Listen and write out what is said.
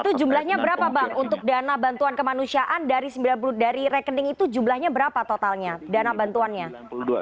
itu jumlahnya berapa bang untuk dana bantuan kemanusiaan dari sembilan puluh dari rekening itu jumlahnya berapa totalnya dana bantuannya